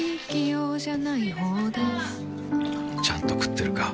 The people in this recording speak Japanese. ちゃんと食ってるか？